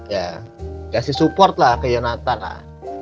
ya kasih support lah ke yonatan lah